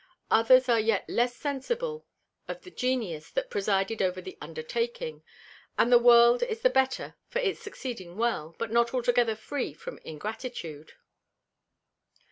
Others are yet less sensible of the Genius that presided over the Undertaking; and the World is the better for its succeeding well, but not altogether free from Ingratitude.